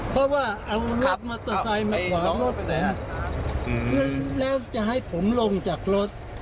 เพราะว่าเอารถมอเตอร์ไซค์มาขวางรถแล้วจะให้ผมลงจากรถ